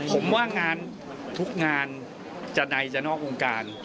ผมว่างานทุกงานจะในจะนอกวงการ